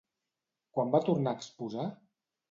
Quan va tornar a exposar?